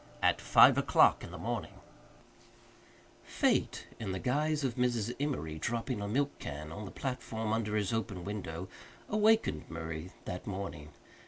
At Five O'Clock in the Morning Fate, in the guise of Mrs. Emory dropping a milk can on the platform under his open window, awakened Murray that morning.